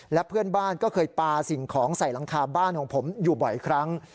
และเพื่อนบ้านก็เคยปลาสิ่งของใส่หลังคาบ้านของผมอยู่บ่อยครั้ง